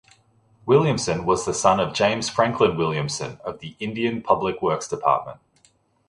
Williamson was the son of James Franklin Williamson of the Indian Public Works Department.